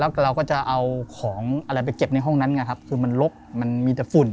แล้วก็เราก็จะเอาของอะไรไปเก็บในห้องนั้นไงครับคือมันลกมันมีแต่ฝุ่น